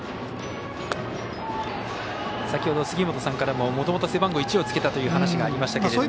先ほど杉本さんからももともと背番号１をつけたという話がありましたが。